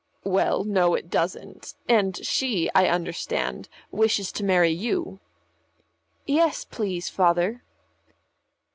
"Well, no, it doesn't. And she, I understand, wishes to marry you." "Yes, please, Father."